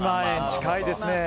近いですね。